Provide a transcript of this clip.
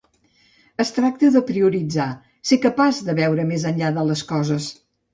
Es tracta de prioritzar, ser capaç de veure més enllà de les coses.